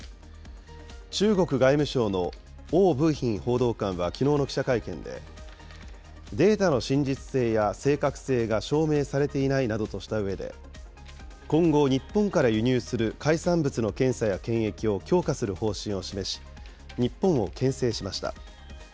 中国外務省の汪文斌報道官はきのうの記者会見で、データの真実性や正確性が証明されていないなどとしたうえで、今後、日本から輸入する海産物の検査や検疫を強化する方針を示し、日本をけん制しました。